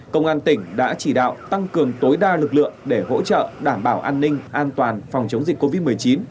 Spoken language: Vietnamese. công an tỉnh đã chỉ đạo tăng cường tối đa lực lượng để hỗ trợ đảm bảo an ninh an toàn phòng chống dịch covid một mươi chín